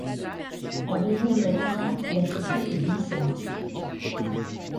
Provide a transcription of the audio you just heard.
En raison de la pluie, la chaussée est glissante.